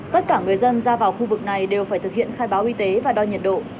tất cả người dân ra vào khu vực này đều phải thực hiện khai báo y tế và đo nhiệt độ